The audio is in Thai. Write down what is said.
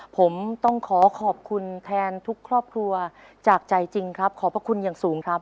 ผมต้องขอขอบคุณแทนทุกครอบครัวจากใจจริงครับขอบพระคุณอย่างสูงครับ